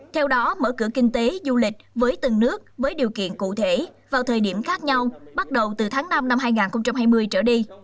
theo đó mở cửa kinh tế du lịch với từng nước với điều kiện cụ thể vào thời điểm khác nhau bắt đầu từ tháng năm năm hai nghìn hai mươi trở đi